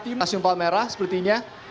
tim stasiun palmerah sepertinya